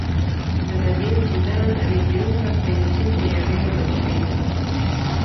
zinedine Zidane alijiunga kwenye timu ya real madrid